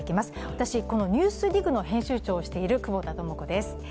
私、この「ＮＥＷＳＤＩＧ」の編集長をしている久保田智子です。